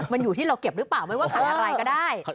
มันอยู่ที่เราเก็บหรือเปล่าไม่ว่าขายอะไรก็ได้